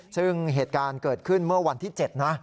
ซึ่งเหตุการณ์เกิดขึ้นเมื่อวันที่๗นะ